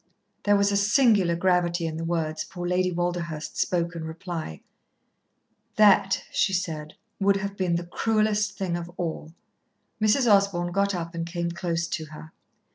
There was a singular gravity in the words poor Lady Walderhurst spoke in reply. "That," she said, "would have been the cruelest thing of all." Mrs. Osborn got up and came close to her.